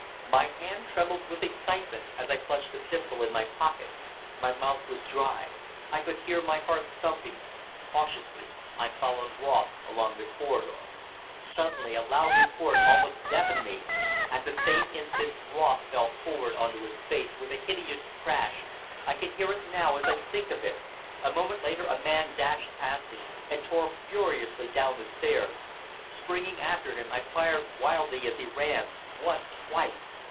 My hand trembled with excitement as I clutched the pistol in my pocket. My mouth was dry. I could hear my heart thumping. Cautiously I followed Ross along the corridor. Suddenly a loud report almost deafened me. At the same instant Ross fell forward on to his face, with a hideous crash I can hear it now as I think of it. A moment later a man dashed past me, and tore furiously down the stairs. Springing after him I fired wildly as he ran once twice.